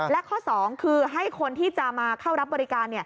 และข้อ๒คือให้คนที่จะมาเข้ารับบริการ